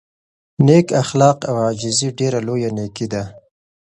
نېک اخلاق او عاجزي ډېره لویه نېکي ده.